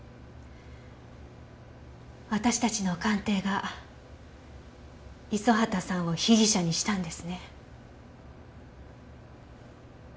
私たちの鑑定が五十畑さんを被疑者にしたんですね。